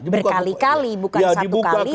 berkali kali bukan satu kali